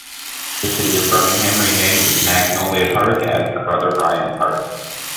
The City of Birmingham renamed Magnolia Park as "Brother Bryan Park".